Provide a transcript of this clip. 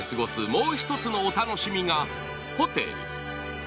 もう一つのお楽しみがホテル。